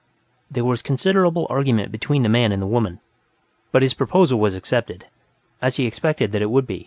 There was considerable argument between the man and the woman, but his proposal was accepted, as he expected that it would.